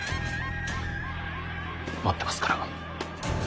待ってますから。